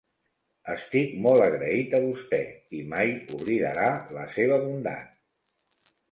Estic molt agraït a vostè, i mai oblidarà la seva bondat.